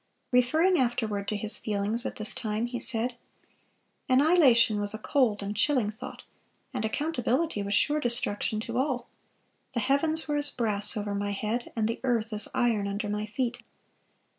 Referring afterward to his feelings at this time, he said: "Annihilation was a cold and chilling thought, and accountability was sure destruction to all. The heavens were as brass over my head, and the earth as iron under my feet.